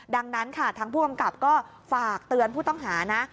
ดังนั้นค่ะทางผู้กำกับก็ฝากเตือนผู้ต้องหานะ